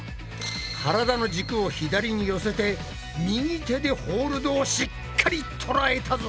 体の軸を左に寄せて右手でホールドをしっかりとらえたぞ！